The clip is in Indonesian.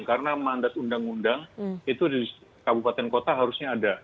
karena mandat undang undang itu di kabupaten kota harusnya ada